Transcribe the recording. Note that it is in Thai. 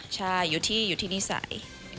ใช่อยู่ที่นิสัย